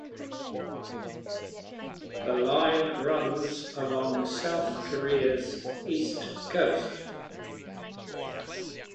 The line runs along South Korea's east coast.